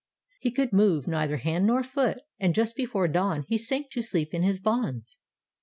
He could move neither hand nor foot, and just before dawn he sank to sleep in his bonds.